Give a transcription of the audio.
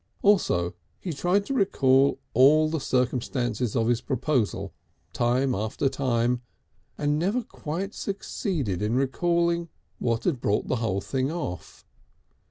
Also he tried to recall all the circumstances of his proposal, time after time, and never quite succeeded in recalling what had brought the thing off.